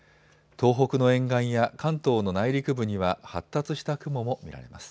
東北の沿岸や関東の内陸部には発達した雲も見られます。